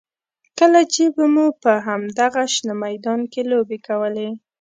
کله چې به مو په همدغه شنه میدان کې لوبې کولې.